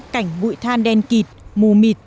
cảnh bụi than đen kịt mù mịt